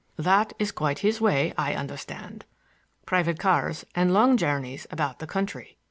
"That is quite his way, I understand,—private cars and long journeys about the country.